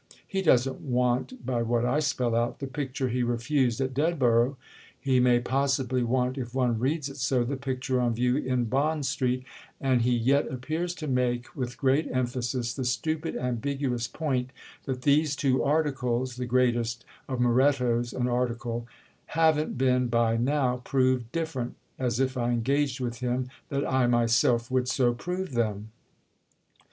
He doesn't want—by what I spell out—the picture he refused at Dedborough; he may possibly want—if one reads it so—the picture on view in Bond Street; and he yet appears to make, with great emphasis, the stupid ambiguous point that these two 'articles' (the greatest of Morettos an 'article'!) haven't been 'by now' proved different: as if I engaged with him that I myself would so prove them!"